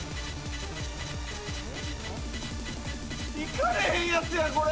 いかれへんやつやこれ。